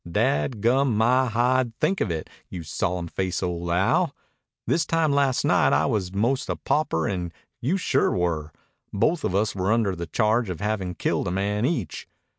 Dad gum my hide, think of it, you solemn faced old owl! This time last night I was 'most a pauper and you sure were. Both of us were under the charge of havin' killed a man each.